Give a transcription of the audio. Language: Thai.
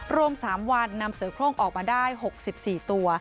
รวม๓วันนำเสือโครงออกมาได้๖๔ตัว